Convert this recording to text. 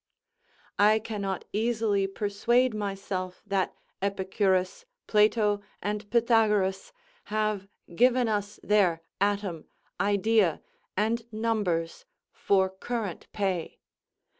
I cannot easily persuade myself that Epicurus, Plato, and Pytagoras, have given us their atom, idea and numbers, for current pay.